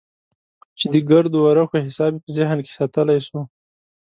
چې د ګردو ورقو حساب يې په ذهن کښې ساتلى سو.